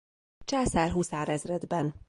Császár huszárezredben.